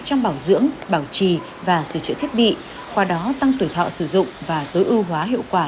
trong bảo dưỡng bảo trì và sửa chữa thiết bị qua đó tăng tuổi thọ sử dụng và tối ưu hóa hiệu quả